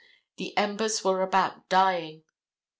The embers were about dying."